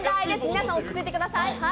皆さん落ち着いてください。